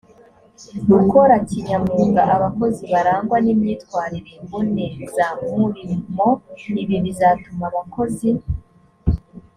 gukora kinyamwuga abakozi barangwa n imyitwarire mbonezamurimo ibi bizatuma abakozi